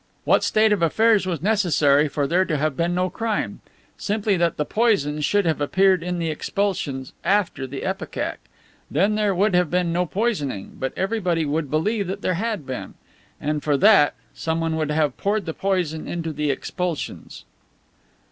What state of affairs was necessary for there to have been no crime? Simply that the poison should have appeared in the expulsions after the ipecac. Then there would have been no poisoning, but everyone would believe there had been. And, for that, someone would have poured the poison into the expulsions."